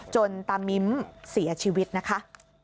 ตามิมเสียชีวิตนะคะ